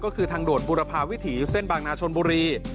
ก็คือทางด่วนบุรพาวิถีเส้นบางนาชนบุรี